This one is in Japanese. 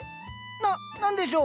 な何でしょう？